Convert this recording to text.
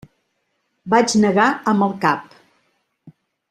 Vaig negar amb el cap.